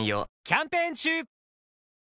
キャンペーン中！